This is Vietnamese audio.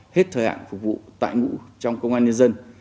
hết thời hạn phục vụ tại ngũ trong công an nhân dân